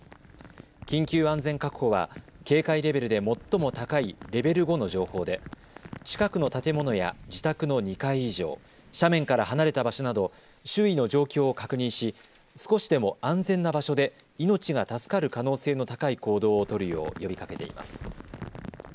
緊急安全確保は警戒レベルで最も高いレベル５の情報で近くの建物や自宅の２階以上、斜面から離れた場所など周囲の状況を確認し少しでも安全な場所で命が助かる可能性の高い行動を取るよう呼びかけています。